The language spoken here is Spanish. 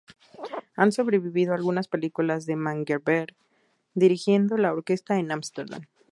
Han sobrevivido algunas películas de Mengelberg dirigiendo la orquesta en Ámsterdam.